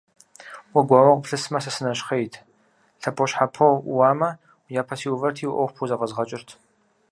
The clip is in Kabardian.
Уэ гуауэ къыплъысамэ, сэ сынэщхъейт, лъэпощхьэпо уӀууамэ, уи япэ сиувэрти, уи Ӏуэху пхузэфӀэзгъэкӀырт.